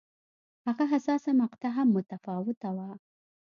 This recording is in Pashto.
هغه حساسه مقطعه هم متفاوته وه.